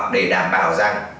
để đảm bảo rằng